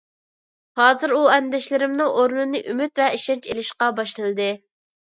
ھازىر ئۇ ئەندىشىلىرىمنىڭ ئورنىنى ئۈمىد ۋە ئىشەنچ ئېلىشقا باشلىدى.